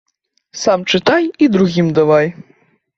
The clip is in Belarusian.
Сам чытай і другім давай.